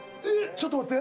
ちょっと待って。